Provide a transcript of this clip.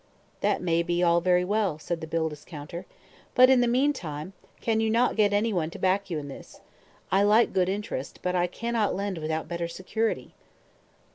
"That may be all very well," said the bill discounter; "but, in the meantime, can you not get any one to back you in this? I like good interest, but I cannot lend without better security."